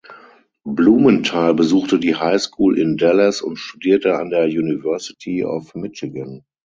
Blumenthal besuchte die High School in Dallas und studierte an der University of Michigan.